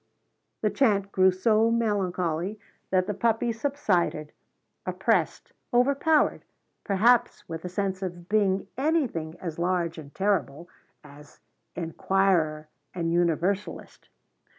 The chant grew so melancholy that the puppies subsided; oppressed, overpowered, perhaps, with the sense of being anything as large and terrible as inquirer and universalist.